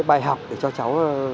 bài học để cho cháu